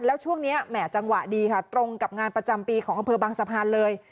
แล้วช่วงนี้แหม่จังหวะดีค่ะตรงกับงานประจำปีของอำเภอบางสะพานเลย